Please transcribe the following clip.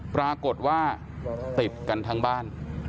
ปรากฏว่าติดกันทั้งบ้าน